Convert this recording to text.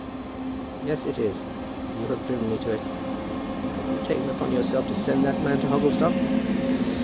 "Yes, it is. You have driven me to it. Why have you taken upon yourself to send that man to Hogglestock?"